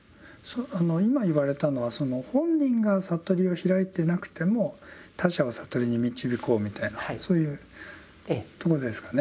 今言われたのはその本人が悟りを開いてなくても他者を悟りに導こうみたいなそういうとこですかね。